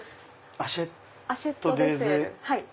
アシェットデーゼ。